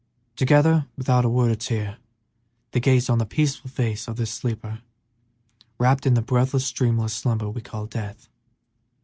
Together, without a word or a tear, they gazed on the peaceful face of this sleeper, wrapped in the breathless, dreamless slumber we call death.